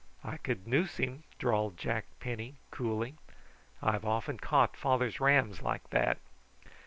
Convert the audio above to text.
"I could noose him," drawled Jack Penny coolly. "I've often caught father's rams like that."